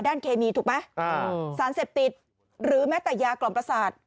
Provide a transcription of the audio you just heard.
เคมีถูกไหมสารเสพติดหรือแม้แต่ยากล่อมประสาท